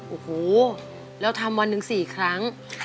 โอ้โหแล้วทำวันหนึ่ง๔ครั้ง